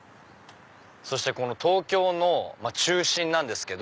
そして東京の中心なんですけど。